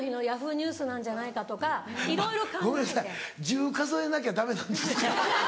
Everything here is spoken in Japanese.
１０数えなきゃダメなんですか？